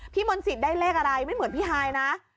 มนศิษย์ได้เลขอะไรไม่เหมือนพี่ฮายนะ